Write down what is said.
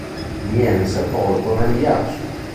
Viene sepolto nel ghiaccio.